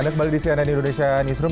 anda kembali di cnn indonesia newsroom